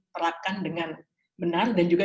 terapkan dengan benar dan juga